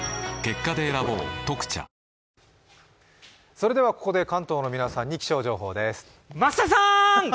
それではここで関東の皆さんに気象情報です。